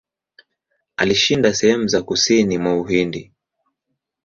Alishinda sehemu za kusini mwa Uhindi.